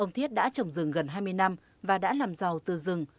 ông thiết đã trồng rừng gần hai mươi năm và đã làm giàu từ rừng